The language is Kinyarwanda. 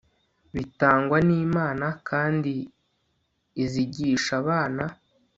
bitangwa nImana kandi Izigisha abana